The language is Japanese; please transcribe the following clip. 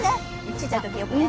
ちっちゃいときよくね。